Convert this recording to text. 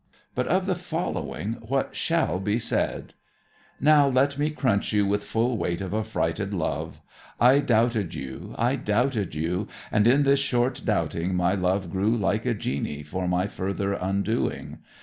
But of the following what shall be said: Now let me crunch you With full weight of affrighted love. I doubted you I doubted you And in this short doubting My love grew like a genie For my further undoing.